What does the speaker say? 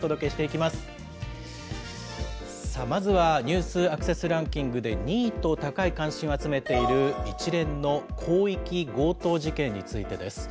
まずはニュースアクセスランキングで２位と高い関心を集めている一連の広域強盗事件についてです。